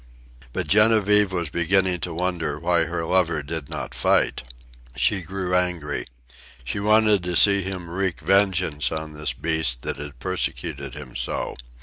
But Genevieve was beginning to wonder why her lover did not fight. She grew angry. She wanted to see him wreak vengeance on this beast that had persecuted him so.